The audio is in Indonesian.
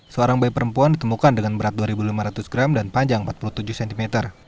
seorang bayi perempuan ditemukan dengan berat dua lima ratus gram dan panjang empat puluh tujuh cm